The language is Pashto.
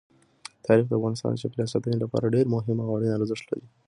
تاریخ د افغانستان د چاپیریال ساتنې لپاره ډېر مهم او اړین ارزښت لري.